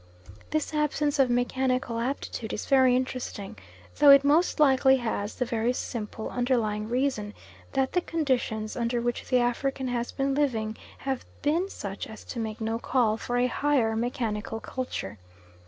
This absence of mechanical aptitude is very interesting, though it most likely has the very simple underlying reason that the conditions under which the African has been living have been such as to make no call for a higher mechanical culture.